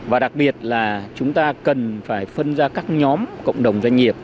và đặc biệt là chúng ta cần phải phân ra các nhóm cộng đồng doanh nghiệp